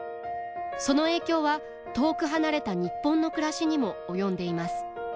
その影響は遠く離れた日本の暮らしにも及んでいます。